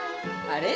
あれ？